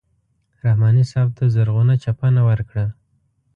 رحماني صاحب ته زرغونه چپنه ورکړه.